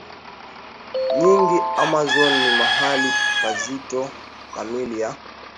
nyingi Amazon ni mahali pazito kamili ya